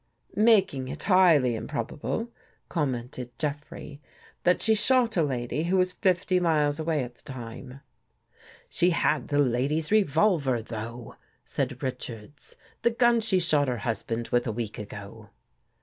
" Making it highly improbable," commented Jeff rey, " that she shot a lady who was fifty miles away at the time." " She had the lady's revolver, though," said Rich ards. " The gun she shot her husband with a week ago."